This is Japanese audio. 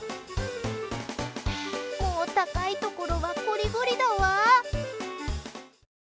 もう高いところはこりごりだわ。